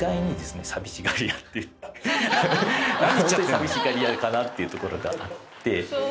寂しがり屋かな？っていうところがあって。